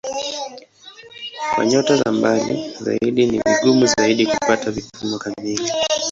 Kwa nyota za mbali zaidi ni vigumu zaidi kupata vipimo kamili.